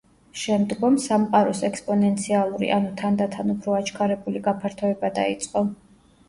შემდგომ, სამყაროს ექსპონენციალური, ანუ თანდათან უფრო აჩქარებული გაფართოება დაიწყო.